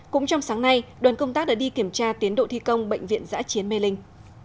cũng trong sáng nay đoàn công tác đã đi kiểm tra tiến độ thi công bệnh viện giã chiến mê linh